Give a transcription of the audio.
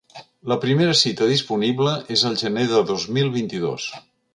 La primera cita disponible és al gener de dos mil vint-i-dos.